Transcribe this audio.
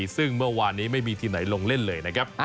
ซึ่งเมื่อวานนี้ไม่มีทีมไหนลงเล่นเลยนะครับ